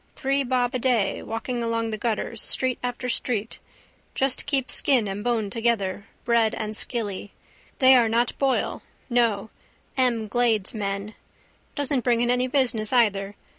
Three bob a day, walking along the gutters, street after street. Just keep skin and bone together, bread and skilly. They are not Boyl: no, M'Glade's men. Doesn't bring in any business either.